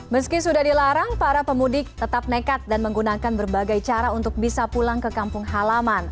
meski sudah dilarang para pemudik tetap nekat dan menggunakan berbagai cara untuk bisa pulang ke kampung halaman